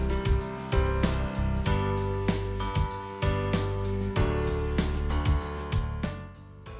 tersabari features biasa bewakaur foundation